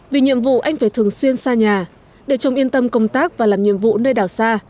vì nhiệm vụ anh phải thường xuyên xa nhà để chồng yên tâm công tác và làm nhiệm vụ nơi đảo xa